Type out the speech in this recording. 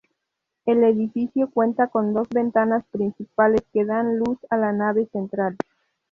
El edificio cuenta con dos ventanas principales que dan luz a la nave central.